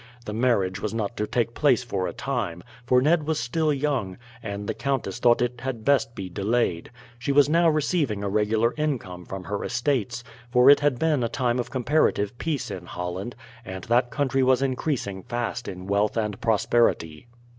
The marriage was not to take place for a time; for Ned was still young, and the countess thought it had best be delayed. She was now receiving a regular income from her estates; for it had been a time of comparative peace in Holland, and that country was increasing fast in wealth and prosperity.